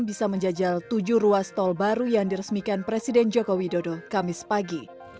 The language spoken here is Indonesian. bisa menjajal tujuh ruas tol baru yang diresmikan presiden joko widodo kamis pagi